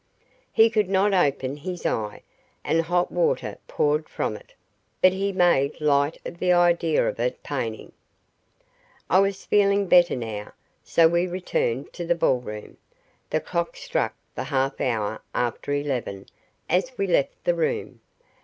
He could not open his eye, and hot water poured from it, but he made light of the idea of it paining. I was feeling better now, so we returned to the ballroom. The clock struck the half hour after eleven as we left the room.